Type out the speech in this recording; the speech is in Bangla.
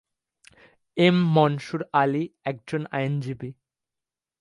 এম মনসুর আলী একজন আইনজীবী।